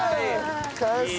完成！